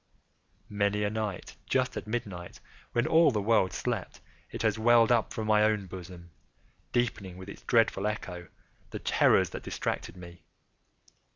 Many a night, just at midnight, when all the world slept, it has welled up from my own bosom, deepening, with its dreadful echo, the terrors that distracted me.